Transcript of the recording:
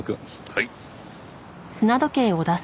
はい。